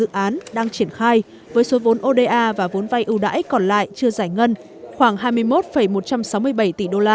dự án đang triển khai với số vốn oda và vốn vay ưu đãi còn lại chưa giải ngân khoảng hai mươi một một trăm sáu mươi bảy tỷ đô la